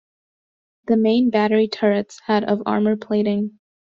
The main battery turrets had of armor plating.